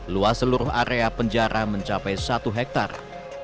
luas seluruh area penjara mencapai satu hektare